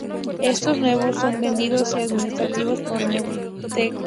Estos nuevos son vendidos y administrados por New.net.